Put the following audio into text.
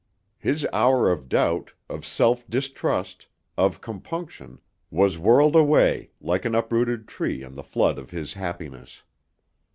His hour of doubt, of self distrust, of compunction, was whirled away like an uprooted tree on the flood of his happiness.